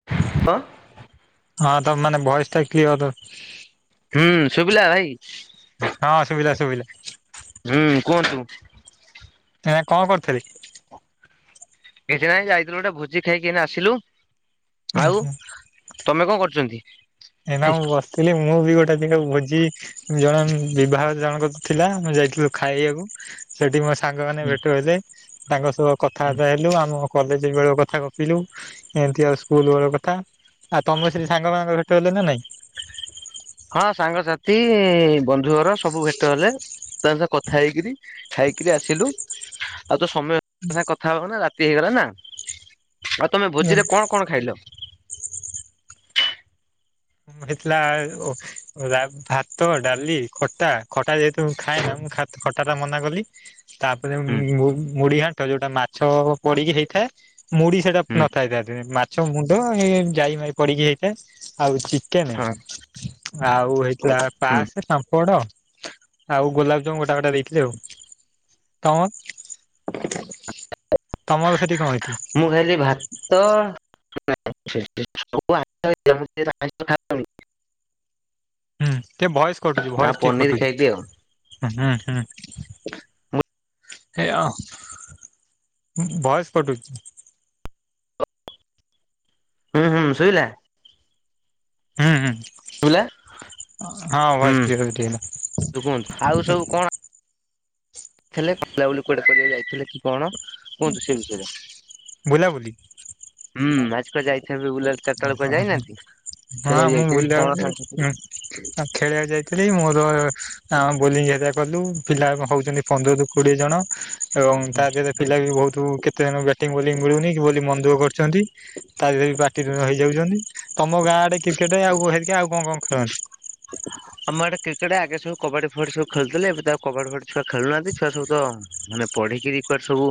[inaudible] ହଁ ତ ମାନେ ଭଏସ ଟା କିଏ ତ ହୁଁ ଶୁଭିଲା ଭାଇ? ହଁ ଶୁଭିଲା ଶୁଭିଲା। ହୁଁ କୁହନ୍ତୁ? ନା କଣ କରୁଥିଲି? କିଛି ନାଇ ଯାଇଥିଲୁ ଗୋଟେ ଭୋଜି ଖାଇକି ଆସିଲୁ ଆଉ ତମେ କଣ କରୁଚନ୍ତି? ଏଇନା ମୁଁ ବସିଥିଲି ମୁଁ ବି ଗୋଟେ ଦିନ ଭୋଜି ଜଣେ ବିବାହ ଜଣକ ଥିଲା ମୁଁ ଯାଇଥିଲୁ ଖାଇବାକୁ ସେଠି ମୋ ସାଙ୍ଗମାନୋନେ ଭେଟ ହେଲେ ତାଙ୍କ ସବୁ କଥାବାର୍ତା ହେଲୁ ଆମ କଲେଜ ବେଳ କଥା ଗପିଲୁ ଏମତି ଆଉ ସ୍କୁଲ ବେଳର କଥା ଆଉ ତମେ ସେ ସାଙ୍ଗମାନଙ୍କ ଥିଲେ ନା ନାଇଁ? ହଁ ସାଙ୍ଗସାଥି ବନ୍ଧୁ ଘର ସବୁ ଭେଟ ହେଲେ ତାଙ୍କ ସହ କଥା ହେଇକରି ଖାଇକିରି ଆସିଲୁ ଆଉ ତ ସମୟ ସାଙ୍ଗେ କଥା ହବ ନା ରାତି ହେଇଗଲା ନା। ଆଉ ତମେ ଭୋଜିରେ କଣ କଣ ଖାଇଲ? ଦେଖିଲାବେଳୁ ଭାତ ଡାଲି ଖଟା ଖଟା ଯେ ଖାଏ ନା ମୁଁ ଖଟା ଟା ମନା କଲି ତାପରେ ହୁଁ ମୁ ମୁଡିଘାଟ ଯୋଉଟା ମାଛ ପଡିକି ହେଇଥାଏ ମୁଢ଼ି ସେଟା ହୁଁ ନଥାଇଥାଏ ତା ଦେହରେ। ସବୁ ମୁଣ୍ଡ ଯାଇ ଫାଇ ପଡିକି ହେଇଥାଏ ଆଉ ଚିକେନେ ହଁ ଆଉ ହୁଁ ପାସ ସାମ୍ପଡ ଆଉ ଗୋଲାପଜାମୁ ଗୋଟା ଗୋଟା ଦେଇଥିଲେ ଆଉ। ତମ ତମର ସେଠି କଣ ହେଇଥିଲା? ମୁଁ ଖାଇଲି ଭାତ [unintelligible] ହୁଁ ଟିକେ ଭଏସ୍ କଟୁଛି ଭଏସ୍ ଟିକେ ପନିର ଖାଇଲି ଆଉ। କଟୁଛି ହୁଁ ହୁଁ। ହୁଁ ଏଇଆ ଭଏସ୍ କଟୁଚି। ହୁଁ ହୁଁ ଶୋଭିଲା? ହୁଁ ହୁଁ ସୁଵିଲା? ହଁ ହୁଁ ଭଏସ କ୍ଲିୟର ଟିକେ ହେଲା ତୁ କୁହନ୍ତୁ ଆଉ ସବୁ କଣ ଥିଲେ ବୁଲା ବୁଲି କୁଆଡେ କୁଆଡେ ଯାଇଥିଲେ କି କଣ କୁହନ୍ତୁ ସେ ବିଷୟରେ? ବୁଲାବୁଲି ହୁଁ ଭାସ କୁଆଡ଼େ ଯାଇ ଏବେ ବୁଲା ଚାରିଟ ବେଳକୁ କୁଆଡ଼େ ଯାଇନାହାନ୍ତି ଖେଳିବାକୁ ଯାଇଥିବେ କି କଣ ସାଙ୍ଗ ଆ ଖେଳିବାକୁ ଯାଇଥିଲି ମୋର ବୋଲିଂ ହେରି କଲୁ ପିଲା ହଉଛନ୍ତି। ପନ୍ଦରରୁୁ କୋଡିଏ ଜଣ ଏବଂ ତା ଦେହରେ ପିଲା ବି ବହୁତ କେତେ ଜଣ ବ୍ୟାଟିଂ ବୋଲି ମିଳୁନି କି ବୋଲି ମନ ଦୁଃଖ କରୁଛନ୍ତି ତା ଦେହ କିରେ ରହିଇଯାଉଛନ୍ତି ତମ ଗାଁ ଆଡେ କ୍ରିକେଟ ଆଉ ହେରିଇକା ଆଉ କଣ କଣ ଖେଳନ୍ତି? ଆମଡେ କ୍ରିକେଟେ ଆଗେ ସବୁ କବାଡି ଫବାଡି ସବୁେୁଥିଲେ ଏବେ ଆଉ କବାଡି ଫଡି ଛୁଆ ଖେୁନାହାନ୍ତି ଛୁଆ ସବ ତ ମାନେ ପଢ଼ିକିରି କୁଆଡେ ସବୁ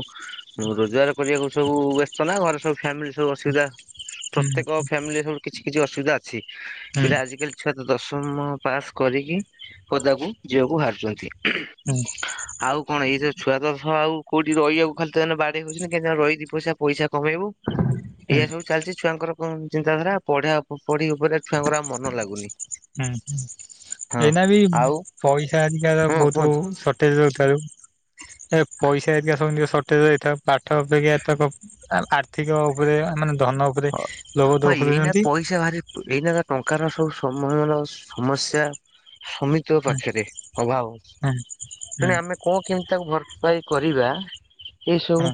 ରୋଜଗାର କରିବାକୁ ସବୁ ବସିଛ ନା ଘରେ ସବୁ ଫ୍ୟାମିଲି ସବୁ ଅସୁବିଧା ହୁଁ ପ୍ରତ୍ୟେକ ଫ୍ୟାମିଲିରେ ସବୁ କିଛି କିଛି ଅସୁବିଧା ଅଛି ହୁଁ ପିଲା ଆଜିକାଲି ଛୁଆତ ଦଶମ ପାସ୍ କରିକି ପଦାକୁ ଯିବାକୁ ବାହାରୁଛନ୍ତି। ହୁଁ। ଆଉ କଣ ଏଇ ଯଉ ଛୁଆ ତ ଆଉ କଉଠି ରହିବାକୁ ଖାଲି ତେ ବାଡେଇ ହଉଛନ୍ତି କେହି ରହିକି ପଇସା ପଇସା କମେଇବୁ। ହୁଁ ଏଇଆ ସବୁ ଚାଲିଛି ଛୁଆଙ୍କର ଚିନ୍ତାଧାରା ପଢ଼ା ପଢି ଉପରେ ଛୁଆଙ୍କର ଆଉ ମନ ଲାଗୁନି। ହୁଁ ହଁ ହଁ। ଏଇନା ବି ଆଉ ପଇସା ଅଧିକାର ହଁ ବହୁତ କୁହନ୍ତୁ ସଟେଜ ରହୁଥୁବାରୁ ଏ ପଇସା ହାରିକା ସମସ୍ତଙ୍କର ସଟେଜ୍ ହେଇଥିବ ପାଠ ଅପେକ୍ଷା ଏତଥରକ ଅଧିକ ଉପରେ ମାନେ ଧନ ଉପରେ ହଁ ଲୋଭ ଏଇନା ଦଉଛନ୍ତି। ପଇସା ଭାରି ଏଇନା ଯା ଟଙ୍କାର ସବୁ ସମୟର ସମସ୍ୟା ସମି ତୋ ହୁଁ ପାଖରେ ଅଭାବ ଅଛି ହୁଁ ହୁଁ ତେଣୁ ଆମେ କଣ କେମିତି ତାକୁ ଭରପାଏ କରିବା ହୁଁ ଏସବୁ।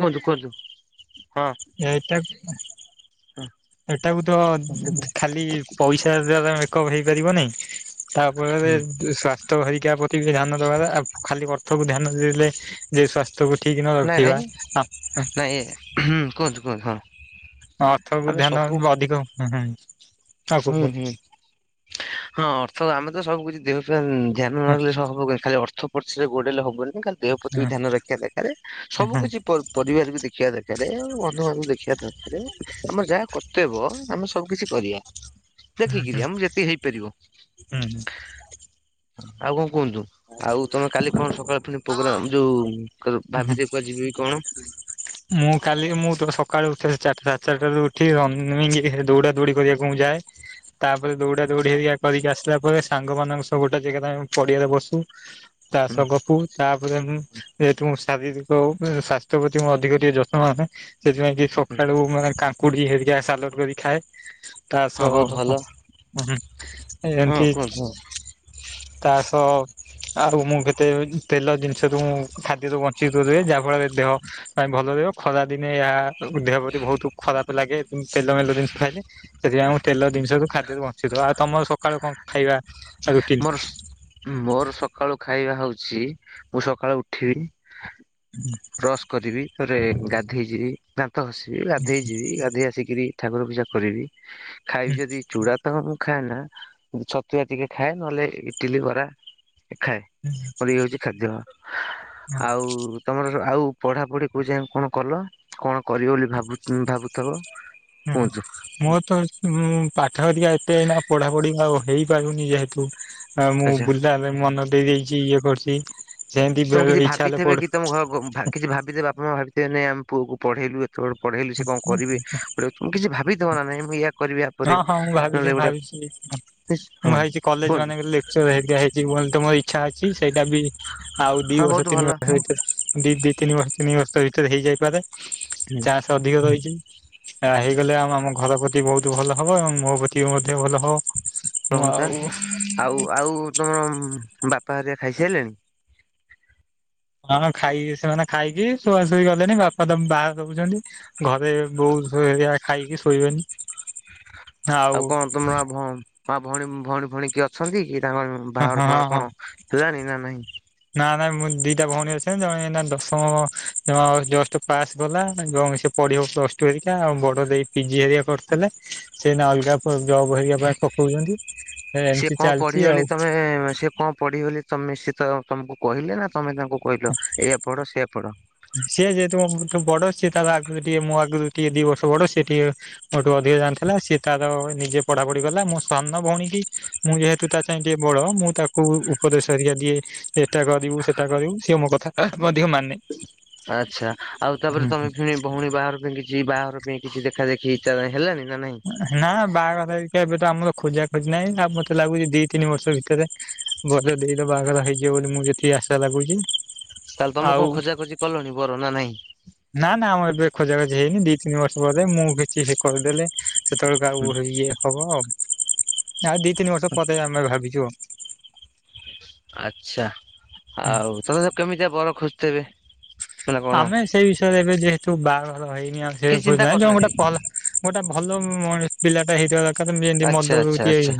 କୁହନ୍ତୁ କୁହନ୍ତୁ ହଁ। ଏଇଟାକୁ ଏଇଟାକୁ ହୁଁ ତ ଖାଲି ପଇସା ଅଧିକା ତ ମେକଅପ୍ ହେଇପାରିବ ନାହିଁ ତାଫଳରେ ସ୍ଵାସ୍ଥ୍ୟ ହରିକା ଟିକେ ଧ୍ୟାନ ଦବା କଥା ଖାଲି ଅର୍ଥକୁ ଧ୍ୟାନ ଦେଲେ ଯେ ସ୍ୱାସ୍ଥ୍ୟ ତୁ ଉଠିିକିନ ନାଇଁ ରଖିବା ନାଇଁ [unintelligible] ନାଇଁ ହୁଁ କୁହନ୍ତୁ କୁହନ୍ତୁ ହଁ ଅର୍ଥକୁ ଆମେ ଧ୍ୟାନ ସବୁ [unintelligible] ହୁଁ କୁହ ହୁଁ ହଁ ଅର୍ଥ ଆମେ ତ ସବୁ କିଛି ଦେଉଛୁ। ଧ୍ୟାନ ନାଗଲେବ, ଖାଲି ଅର୍ଥ ପଛରେ ଗୋଡେଇଲେ ହବନି ଖାଲି ଦେହ ପ୍ରତି ବି ଧ୍ୟାନ ରଖିବା ଦରକାରେ, ସବୁ କିଛି ପରିବାର ବି ଦେଖିବା ଦରକାର। ଆଉ ବନ୍ଧୁମାନଙ୍କୁ ବି ଦେଖିବା ଦରକାରେ। ଆମର ଯାହା କର୍ତ୍ତବ୍ୟ ଆମେ ସବୁ କିିଛି କରିବା। ଦେଖିକିରି ଆମ ଯେତିକି ହେଇପାରିବ, ଆଉ କଣ କୁହନ୍ତୁ?? ଆଉ ତମେ କାଲି କଣ ସକାଳ ଫ ପ୍ରୋଗ୍ରାମ, ଯୋଉ ହ, ହଁ। ଭାବିଛ କୁଆଡେ ଯିବି କଣ? ମୁଁ କାଲି ମୁଁ ସକାଳୁ ଉଠ ଚିଟା ସାତ ଚାରିଟାରୁ ଉଠି ର ଦୌଡ଼ା ଦୌଡ଼ି କରିବାକୁ ମୁଁ ଯାଏ। ତାପରେ ଦୌଡିଆ ଦୌଡି ହେ କରିକି ଆସିଲା ପରେ, ସାଙ୍ଗମାନାନଙ୍କ ସବ ଗୋଟେ ଜାଗାରେମେ ପଡିଆରେ ବସୁ। ଚାଷ ହୁଁ କଫୁ ତାପରେ ମୁଁ ଶାରୀରିକ ସଵାସ୍ଥ୍ୟ ପ୍ରତି ମୁଁ ଅଧିକ ଟିକେ ଯତ୍ନ ନଏ। ସେଥିାଇଁ କି ହୁଁ ସକାଳୁ କୁଡି ହେରିକା, ସାଲଡ କରି ଖାଏ। ତା ହଁ ସହ ବହୁତ ଭଲ ହଁ ଏମିତି କୁହନ୍ତୁ ତା ସହ ଆଉ ମୁଁ କେତେ ତେଲ ଜିନିଷରୁୁ ଖାଦ୍ୟରୁ ବଞ୍ଚିତ ରୁହେ ଯାହା ଫଳରେ ଦେହ ପାଇଁ ଭଲ ରହିବ ଖରା ଦିନେ ଏହା ଦେହ ପ୍ରତି ବହୁତ ଖରାପ ଲାଗେ, ତେଲ ମେଲ ଜିନିଷ ଖାଇଲେ ସେଥିପାଇଁ ମୁମ ତେଲ ଜିନିଷୁ ଖାଦ୍ୟରେ ବଞ୍ଚିଥ। ଆଉ ତମ ସକାଳୁ କଣ ଖାଇବା? ରୁଟିନ? ମୋର ମୋର ସକାଳୁ ଖାଇବା ହଉଛି, ମୁଁ ସକାଳୁ ଉଠିବି [inaudible] ବ୍ରସ କରିବି ରେ ଗାଧେଇଯିବି, ଦାନ୍ତ ଖସିବି, ଗାଧୋଇଯିବି, ଗାଧୋଇ ଆସିକରି ଠାକୁର ପୂଜା କରିବି। ଖାଇବି ଯଦି ଚୁଡ଼ା ତାଙ୍କ ମୁଁ ଖାଏ, ନା ଛତୁଆ ଟିକେ ଖାଏ, ନହେଲେ ଇଟିଲି ବରା ଖାଏ। ହ ହଉଛି ଖାଦ୍ୟ ଆଉ ତମର ଆଉ, ପଢାପଢି କୋଉ ଯ କଣ କଲ କଣ କରିବ ବୋଲି ଭାବୁ ଭାବୁଥିବ, କୁହନ୍ତୁ? ମୋ ତ ମୁଁ ପାଠ ଧରିକା ଏତେ ନା ପଢା ପଢି ଆଉ ହେଇପାରୁନି ଯେହେତୁ, ମୁଁ ଆଚ୍ଛା ବୁଲା ମନ ଦେଇ ଦେଇଦେଇଚି, ଇଏ କରୁଛି, ସେମିତି ତମେ ବେଳେ କିଛି ବେଳେ ଇଛା ହେଲେ ଭାବିଥିବେ ପଡୁ [inaudible] କିଛି ଭାବିିବେ ବାପ ମା ଭାବଥିବେ ନ ଆମ ପୁଅକୁ ପଢେଇଲୁ ପଢେଇଲି ସେ କଣ କରିବେ, ତ କିଛି ଭାବିଦବ ନା ନାଇ ମୁଁ ୟା କରିବି ୟା ହଁ ପରେ ହଁ ମୁଁ ଭାବିଛି ନହେଲେ ଗୋଟେ [unintelligible] ମୁଁ ହଁ ଭାଇଛି କଲେଜ କୁହନ୍ତୁ ମାନେ ହେଇିକା ହେଇଛି ମ ତ ମୋ ଇଚଛା ଅଛି, ସେଇଟା ବି ଆଉ ଦି ହଁ ବର୍ଷ ବହୁତ ତିନି ଭଲ ବର୍ଷ ଭିତରେ ଦି ଦି ତିନି ବର୍ଷ ତିନି ବର୍ଷ ଭିତରେ ହେଇଯାଇପାରେ। [inaudible] ଅଧିକା ରହିଛି ହେଇଗଲେ ଆମ ଆମ ଘର ପ୍ରତି ବହୁତ ଭଲ ହବ। ଏବଂ ମୋ ପ୍ରତି ବି ମଧ୍ୟ ଭଲ ହବ। ମୁଁ ରହନ୍ତା ଆଉ ଆଉ ଆଉ ତମର ବାପା ହାରିଆ ଖାଇସାରିଲେଣି? ହଁ ଖାଇକ ସେମାନେ ଖାଇକି ଶୁଆ ଶୁଇ ଗଲେଣି, ବାପା ବାହା ସବୁଛନ୍ତି ଘରେ ବହୁତଆ ଖାଇକି ଶୋଇବେନି। ଆଉ କଣ ତମରଉଣ ମା, ଭଉଣୀ, ଭଉଣୀ, ଭଉଣୀ କି ଅଛନ୍ତି କି? ତାଙ୍କ ହଁ ବାହର ହଁ। ଫହାର ହଁ କଣ? ତ ଜାଣି ନା ନାହିଁ। ନା ନାଇଁ ମୁଁ ଦିଟା ଭଉଣୀ ଅଛ, ଜଣେ ଦଶମ ଜଷ୍ଟ ପାସ୍ ଗଲା, ଏବଂ ସେ ପଢିବ ପ୍ଲସ ଟୁରିକା, ଆ ବଡ ଦେଇ ପିଜି ହେରିକା କରିଥିଲେ। ସେନା ଅଲଗା ଜବ ହେରେକା ପାଇଁ ପକଉଛନ୍ତି। ସିଏ ଏମିତି କଁ ଚାଲିଛି ପଢିବ ବୋଲି ଆଉ। ତମେ ସିଏ କଁ। ପଢିବେ ବୋଲି ତମେ ସେ ତ ତମକୁ କହିଲେ ନା ତମେ ତାଙ୍କୁ କହିଲ ଏୟା ପଢ ସେୟା ପଢ। ସିଏ ଯେହେତୁ ମୋ ଠୁ ବଡ ସିଏ ତା ଆଗରୁ ଟିକେ ମୋ ଆଗରୁ ଟିକେ ଦି ବର୍ଷ ବଡ ସିଏ ଟିକେ। ମୋଠୁ ଅଧିକ ଜାଣିଥିଲା ସିଏ ତାର ନିଜେ ପଢା ପଢି କଲା ମୋ ସାନ ଭଉଣୀ କି। ମୁଁ ଯେହେତୁ ତା ଚାଁଇ ଟିକେ ବଡ ମୁଁ ତାକୁ ଉପଦେଶ ଘରିକା ଦିଏ ଏ ଏଟା କରିବୁ ସେଟା କରିବୁ ସିଏ ମୋ କଥା ମଧ୍ୟ ମାନେ। ଆଚ୍ଛା ଆଉ ତାପରେ ତମେ ଫିଣି। ଭଉଣୀ ବାହାଘର ପାଇଁ କିଛି ବାହାଘର ପାଇଁ କିଛି ଦେଖା ଦେଖି ଚା ହେଲାଣି ନା ନାଇଁ। ନା ବାହାଘର ହେରିକା ଏବେ ତ ଆମର ଖୋଜା ଖୋଜି ନାହିଁ ଆଉ ମତେ ଲାଗୁଛି ଦି ତିନି ବର୍ଷ ଭିତରେ। ଗଲେ ଦେଇର ବାହାଘର ହେଇଯିବ ବୋଲି ମୁଁ ଯେତିକି ଆଶା ଲାଗୁଛି। ତାହେଲେ ତମେ ଆଉ କଣ ଖୋଜା ଖୋଜି କଲଣି ବର ନା ନାଇଁ। ନା ନା ଆମର ଏବେ ଖୋଜା ଖୋଜି ହେଇନି ଦି ତିନି ବର୍ଷ ପରେ ମୁଁ ବି କିଛି କରିଦେଲେ। ସେତେ ବେଳକୁ ଆଉ ହେଇ ଇଏ ହବ ଆଉ। ଆଉ ଦି ତିନି ବର୍ଷ ପରେ ଆମେ ଭାବିଛୁ। ଆଚ୍ଛା ଆଉ ତଥାପି ତ କେମିତି କା ବର ଖୋଜୁଥବେ। ଆମେ ସେଇ ବିଷୟରେ ଏବେ ଯେହେତୁ ବାହାଘର ହେଇନି ଆ ସେ କିଛି ଖୋଜ ଚିନ୍ତା ନାଇଁ ତ ଗୋଟା କରିନାହାନ୍ତି? ଭ ଗୋଟେ ଭଲ ମ ପିଲା ଟା ହେଇଥିବ। ଆଚ୍ଛା ଆଚ୍ଛା ଆଚ୍ଛା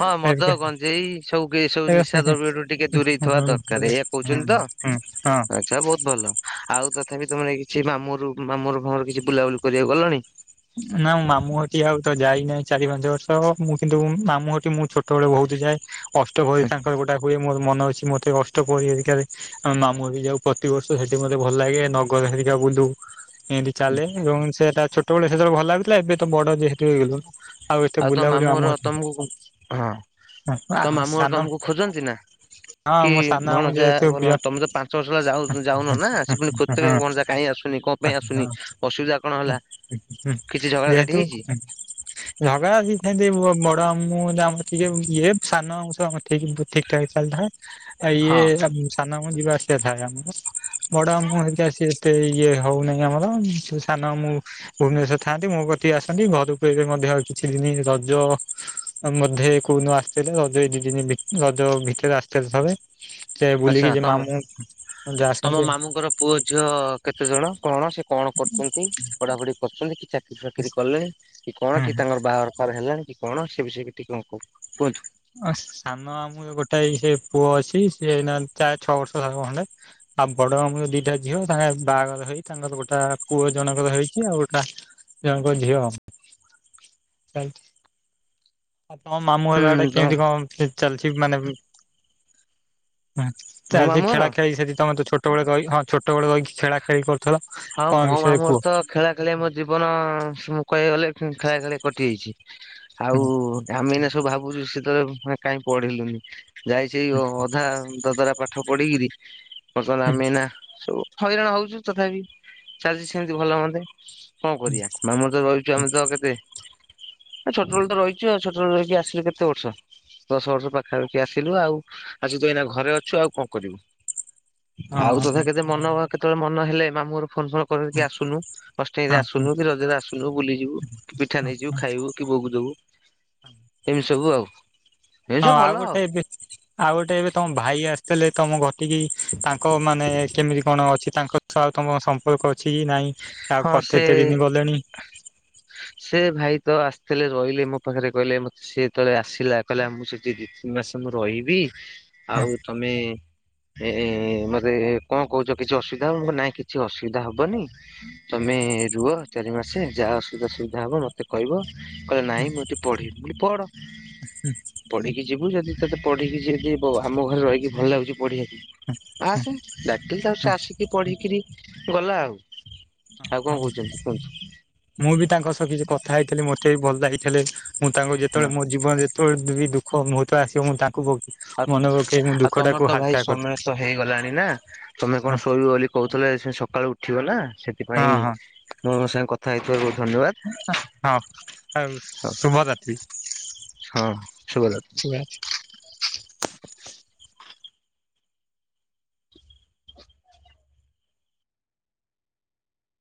ହଁ ମଦ ଗଞ୍ଜେଇ ସବୁ ଗେ ଏ ସବୁ ନିଶା ହୁଁ ଦ୍ରବ୍ୟ ଠୁ ଟି ଟିକେ ଦୂରେଇ ଥିବା ଦରକାର ଏଇଆ କହୁଛନ୍ତି ତ ହଁ ଆଛା ବହୁତ ଭଲ। ଆଉ ତଥାପି ତମେ ମାନେ କିଛି ମାମୁଁଘରକୁ ମାମୁଁଘର ଫାମୁଘର କିଛି ବୁଲାବୁଲି କରିବାକୁ ଗଲଣି। ନା ମୁଁ ମାମୁଁଘଟି ଆଉ ତ ଯାଇନାହିଁ ଚାରି ପାଞ୍ଚ ବର୍ଷ ହବ ମୁଁ କିନ୍ତୁ ମାମୁଁଘଟି ମୁଁ ଛୋଟ ଛୋଟ ବେଳେ ବହୁତ ଯାଏ ଅଷ୍ଟ ପହରି ତାଙ୍କର ଗୋଟେ ହୁଏ ମୋର ମନ ଅଛି ମତେ ଅଷ୍ଟ ପ୍ରହରି ଘରିକାରେ। ଆମେ ମାମୁଁ ଘଟି କି ଯାଉ ପ୍ରତିବର୍ଷ ସେଠି ମତେ ଭଲ ଲାଗେ ନଗର ହେରିକା ବୁଲୁ। ଏଁତି ଚାଲେ ଏବଂ ସେଟା ଛୋଟବେଳେ ସେତେବେଳେ ଭଲ ଲାଗିଥିଲା ଏବେ ତ ବଡ ଯେହେତ ହେଇଗଲୁଣୁ। ଆଉ ଏତେ ତମ ବୁଲାବୁଲି ମାମୁଁ ଘର ମାମୁଁଘର ତମକୁ ହଁ ନାଇ ହଁ ତମ ଆ ମାମୁଁ ଘର ସାନ ତମକୁ ଖୋଜନ୍ତି ନା? ହଁ କି ମୋ ସାନ ମାମୁଁ ଭଣଜା ଯେହେତୁ ଭଲ ବି ଅ ତମେ ତ ପାଞ୍ଚ ବର୍ଷ ହେଲା ଯାଉ ଯାଉନ ନା ସେ ପୁଣି ଅଁ ଖୋଜୁଥିବେ ହଁ ଭଣଜା କାହିଁ ଆସୁନି କଣ ଅଁ ହଁ। ପାଇଁ ଆସୁନି [unintelligible] ଅସୁବିଧା କଣହେଲା। ଯେହେତୁ। ଝଗଡା ବି ସେମତି ବ ବଡ ମାମୁଁ ସହ ଆମର ଟିକେ ଇଏ ସାନ ମାମୁଁ ସବହ ଆମର ଠିକ୍। ଠିକ୍ ଠାକ ଚାଲି ଥାଏ ଆ ଇଏ। ହଁ ସାନ ମାମୁଁ ଯିବା ଆସିବା ଥାଏ ଆମର ବଡ ମାମୁଁ ଘରିକା ସେ ସେ ଇଏ ହଉନାହିଁ ଆମର ସାନ ମାମୁଁ। ଭୁବନେଶ୍ଵର ଥାଆନ୍ତି ମୋ କତିକି ଆସନ୍ତି ଘରକୁ ଏ ବେ ମଧ୍ୟ କିଛିି ଦିନି ରଜ। ମଧ୍ୟେ କୋଉଦିନ ଆସିଥିଲେ ରଜ ଏଇ ଦି ଦିନ ଭି ରଜ ଭିତରେ ଆସିଥିଲେ ଥରେ। ସେ ଆଚ୍ଛା ବୁଲିକି ଯେ ତମ ମାମୁଁ ଯୋଉ ତମ ଆସନ୍ତି। ମାମୁଁଙ୍କର ପୁଅ ଝିଅ କେତେ ଜଣ କଣ ସେ କଣ କରୁଛନ୍ତି ପଢାପଢି କରୁଛନ୍ତି କି ଚା ଚାକିରି ବାକିରି କଲେଣି କି କଣ କି ତାଙ୍କର ବାହାଘର ଫାହାଘର ହେଲାଣି କି କଣ ସେ ବିଷୟରେ ଟିକେ କଣ କୁହନ୍ତୁ। ଅ ସାନ ମାମୁଁ ର ଗୋଟାଏ ସେ ପୁଅ ଅଛି ସେ ଏଇନା ଚାରି ଛଅ ବର୍ଷ ର ହବ ଖଣ୍ଡେ। ଆଉ ବଡ ମାମୁଁ ର ଦିଟା ଝିଅ ତାଙ୍କେ ବାହାଘର ହୋଇ ତାଙ୍କର ଗୋଟା ପୁଅ ଜଣଙ୍କର ହେଇଛି ଆଉ ଗୋଟା ଜଣଙ୍କର ଝିଅ ଆଉ। ଆଉ ତଣ ମାମୁଁ ଘର ଆଡେ ହୁଁ ତ କେମିତି କଣ ଚାଲିଛି ମାନେ। ମୋ ଚାଲିଛି ମାମୁଁ ଘର? ଖେଳା ଖେଳି ସେଠି ତମେ ତ ଛୋଟବେଳେ ରହିି ହଁ ଛୋଟ ବେଳେ ରହିି କି ଖେଳା। ଖେଳି କରୁଥିଲେ ହଁ କଣ ମୋ ବିଷୟରେ ମାମୁଁ ଘର କୁହ। ତ ଖେଳା ଖେଳିରେ ମୋ ଜୀବନ ମୁଁ କହିବା କୁ ଗଲେ ଖେଳା ଖେଳି ରେ କଟି ଯାଇଛି ହଁ ଆଉ। ଆମେ ଏଇନା ସବୁ ଭାବୁଛୁ ସେତେ ବେଳେ କାହିଁ ପଢିଲୁନି ଯାଇ ସେଇ ଅଧା। ଦଦରା ପାଠ ପଢ଼ିକିରି ବର୍ତ୍ତମାନ ଆମେ ଏଇନା ସବୁ ହଇରାଣ ହଉଛୁ ତଥାପି। ଚାଲିଚି ସେମତି ଭଲ ମନ୍ଦେ କଣ କରିବା ମାମୁଁ ଘରେ ତ ରହୁଛୁ ଆମେ ତ କେତେ। ଏ ଛୋଟବେଳୁ ତ ରହିଛୁ ଆଉ ଛୋଟବେଳୁ ରହିକି ଆସିଲୁ କେତେ ବର୍ଷ। ଦଶ ବର୍ଷ ପାଖାପାଖି ଆସିଲୁ ଆଉ ଆସି କି ତ ଏଇନା ଘରେ ଅଛୁ ଆଉ କଣ କରିବୁ। ଆଉ ହଁ ତଥାପି କେତେ ମନ କେତେବେଳେ ମନ ହେଲେ ମାମୁଁଘର ଫୋନ ଫୋନ। କହିକି ଆସୁନୁ ଅଷ୍ଟମିରେ ହଁ ଆସୁନୁ କି ରଜରେ ଆସୁନୁ ବୁଲିଯିବୁ କି ପିଠା ହଁ ନେଇଯିବୁ ଖାଇବୁ। କି ବୋଉକୁ ଦବୁ ହଁ। ଏମିତି ସବୁ ଆଉ। ଏମିତି ହଁ ସବୁ ଆଉ ଭଲ ଗୋଟେ ଏବେ ଆଉ ଗୋଟେ ଏବେ ତମ ଭାଇ ଆସିଥିଲେ ତମ ଘର ଟିକି ତାଙ୍କ ମାନେ କେମିତି କଣ ଅଛି ତାଙ୍କ ସ ତମ ସମ୍ପ ପରକଛି କି ନାଇଁ ଆଉ ହଁ ସେ କତେଏତେ ଦିନି ଗଲେଣି। ସେ ଭାଇ ତ ଆସିଥିଲେ ରହିଲେ ମୋ ପାଖରେ କହିଲେ ମ ସେ ଯେତେତଳେ ଆସିଲା କହିଲା ମୁଁ ସେଠି ଦି ତିନି ମାସ ମୁଁ ରହିବି ହଁ ଆଉ ତମେ ଏ ମତେ କଣ କହୁଛ କିଛି ଅସୁବିଧା ହବ ମୁଁ କହିଲି ନାଇଁ କିଛି ଅସୁବିଧା ହବନି। ତମେ ରୁଅ ଚାରି ମାସେ ଯାହା ଅସୁବିଧା ସୁବିଧା ହବ ମତେ କହିବ। କହିଲେ ନାଇଁ ମୁଁ ଏତେ ପଢ଼ିବି ମୁଁ କଇଲି ପଢ଼। ପଢ଼ିକି ଯିବୁ ଯଦି ତତେ ପଢିକି ଯଦି ଆମ ଘରେ ରହିକି ଭଲ ଲାଗୁଚି ପଢିବାକୁ ଆସେ ଡାକିଲି ତାକୁ ସେ ହଁ ଆସିକି ପଢିକିରି ଗଲା ଆଉ। ହ ଆଉ କଣ ହଁ କହୁଛନ୍ତି କୁହନ୍ତୁ ମୁଁ ବି ତାଙ୍କ ସହ କିଛି କଥା ହେଇଥିଲି ମତେ ବି ଭଲ ଲାଗିଥିଲେ। ମୁଁ ତାଙ୍କୁ ହଁ ଯେତେବେଳେ ମୋ ଜୀବନ ଯେତେବେଳେ ବି ଦୁଃଖ ମୁହୂର୍ତ୍ତ ଆସିବ ମୁଁ ତାଙ୍କୁ ଆଉ ମନେ ପକେଇ ମୁଁ ଆଉ ଦୁଃଖ ତମର ଟାକୁ ତ ଭାଇ ହାଲକା କରିଥିଲି ସମୟ ତ ହେଇଗଲାଣି ନା ତମେ ହଁ କଣ ଶୋଇବ ବୋଲି କହୁଥିଲେ ସେ ସକାଳୁ ଉଠିବ ନା ସେଥିପାଇଁ ହଁ ହଁ ମୋ ସାଙ୍ଗେ କଥା ହେଇଥିବାରୁ ବହୁତ ଧନ୍ୟବାଦ। ହଁ ଆଉ ଶୁଭରାତ୍ରି। ହଁ ଶୁଭରାତ୍ରି। ଶୁଭ